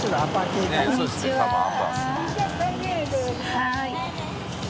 はい。